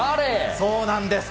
そうなんです。